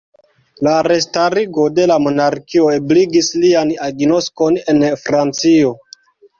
La restarigo de la monarkio ebligis lian agnoskon en Francio.